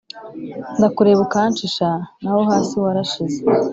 Ndakureba ukanshisha naho hasi warashize.